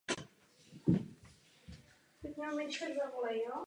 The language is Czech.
V dolní části později postavil nizozemský investor čtyři nové rekreační objekty.